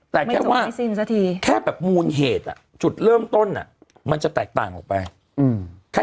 แต่แค่ว่าแค่แบบมูลเหตุจุดเริ่มต้นมันจะแตกต่างออกไป